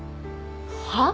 はっ？